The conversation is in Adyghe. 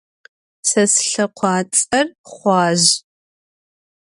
Se slhekhuats'er Xhuazj.